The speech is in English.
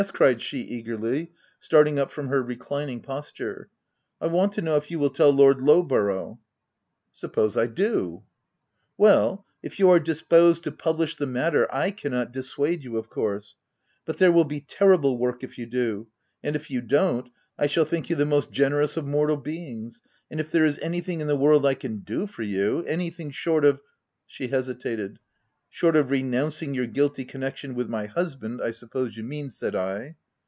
cried she eagerly, starting up from her reclining posture. " I want to know if you will tell Lord Lowborough?" " Suppose I do ?Well, if you are disposed to publish the matter, / cannot dissuade you, of course — but there will be terrible work if you do — and if you don't, I shall think you the most generous of mortal beings — and if there is anything in the world I can do for you — anything short of —" she hesitated. u Short of renouncing your guilty connec tion with my husband, I suppose you mean," said I.